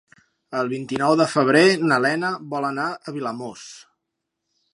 El vint-i-nou de febrer na Lena vol anar a Vilamòs.